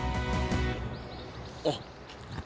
あっ。